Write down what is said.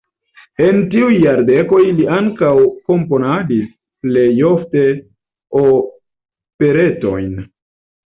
En tiuj jardekoj li ankaŭ komponadis, plej ofte operetojn.